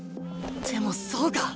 でもそうか！